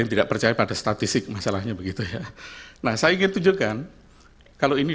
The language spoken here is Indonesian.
tidak percaya pada statistik masalahnya begitu ya nah saya ingin tunjukkan kalau ini